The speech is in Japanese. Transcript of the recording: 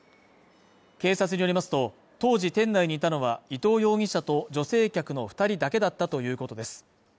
警察によりますと、当時店内にいたのは、伊藤容疑者と女性客の２人だけだったということです